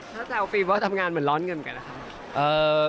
ถ้าแซลฟีว่าทำงานเหมือนร้อนเงินไกลละคะ